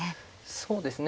そうですね。